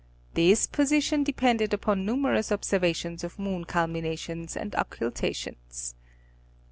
This position depended upon numerous observations of moon culminations and occultations.